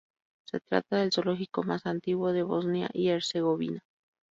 Se trata del zoológico más antiguo de Bosnia y Herzegovina.